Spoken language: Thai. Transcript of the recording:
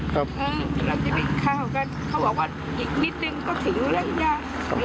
เราจะไปกินข้าวกันเขาบอกว่าอีกนิดนึงก็ถึงแล้วย่างย่า